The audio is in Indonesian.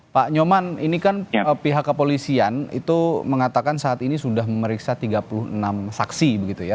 pak nyoman ini kan pihak kepolisian itu mengatakan saat ini sudah memeriksa tiga puluh enam saksi begitu ya